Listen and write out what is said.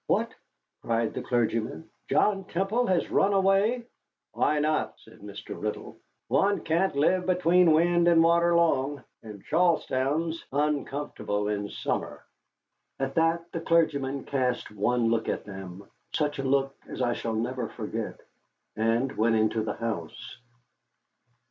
"What!" cried the clergyman, "John Temple has run away?" "Why not," said Mr. Riddle. "One can't live between wind and water long. And Charlestown's uncomfortable in summer." At that the clergyman cast one look at them such a look as I shall never forget and went into the house.